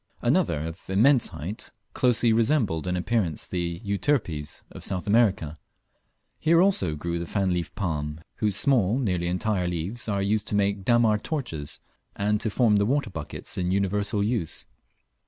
Another of immense height closely resembled in appearance the Euterpes of South America. Here also grew the fan leafed palm, whose small, nearly entire leaves are used to make the dammar torches, and to form the water buckets in universal use.